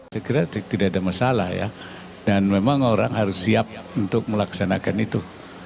saya kira tidak ada masalah ya dan memang orang harus siap untuk melaksanakan itu